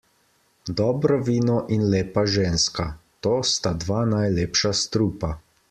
Dobro vino in lepa ženska - to sta dva najlepša strupa.